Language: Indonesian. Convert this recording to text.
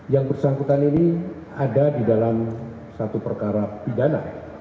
yang bersangkutan ini ada di dalam satu perkara pidana